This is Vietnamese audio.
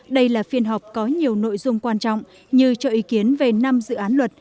đây là phiên họp có nhiều nội dung quan trọng như cho ý kiến về năm dự án luật